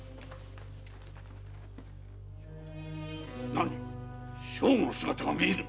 何⁉兵庫の姿が見えぬ？